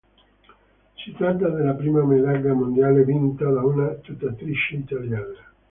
Si tratta della prima medaglia mondiale vinta da una tuffatrice italiana.